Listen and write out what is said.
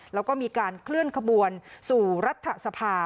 แล้วก็มีการเคลื่อนขบวนสู่รัฐสภา